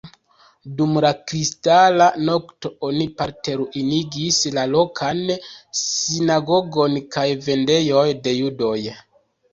Dum la Kristala Nokto oni parte ruinigis la lokan sinagogon kaj vendejoj de judoj.